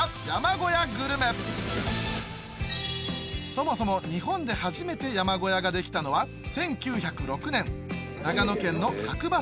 そもそも日本で初めて山小屋ができたのは１９０６年長野県の白馬